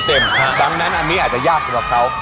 ดังนั้นอันนี้อาจจะยากสำหรับเขา